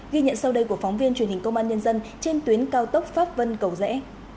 ghi nhận sau đây của phóng viên truyền hình công an nhân dân trên tuyến cao tốc pháp vân cầu rẽ